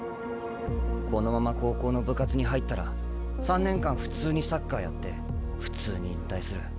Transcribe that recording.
このまま高校の部活に入ったら３年間普通にサッカーやって普通に引退する。